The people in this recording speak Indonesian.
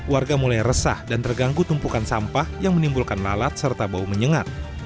warga mulai resah dan terganggu tumpukan sampah yang menimbulkan lalat serta bau menyengat